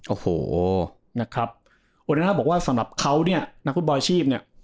โอ้โหนะครับโอเดน่าบอกว่าสำหรับเขาเนี่ยนักฟุตบอลอาชีพเนี่ย